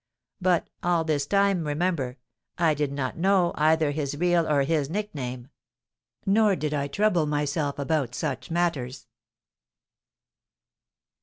But all this time, remember, I did not know either his real or his nick name; nor did I trouble myself about such matters.